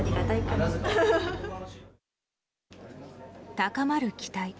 高まる期待。